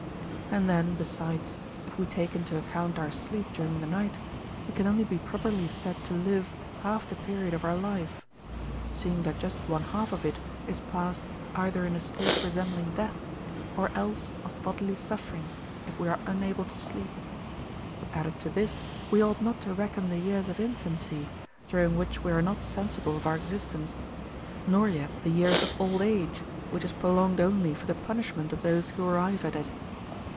And then, besides, if we take into account our sleep during the night, we can only be properly said to live half the period of our life ; seeing that just one half of it is passed, either in a state resembling death, or else of bodily suf fering, if we are unable to sleep. Added to this, we ought not to reckon the years of infancy, during which we are not sen sible of our existence, nor yet the years of old age, which is prolonged only for the punishment of those who arrive at it.